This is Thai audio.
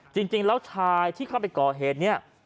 จริงแล้วชายที่เข้าไปก่อเหตุเนี่ย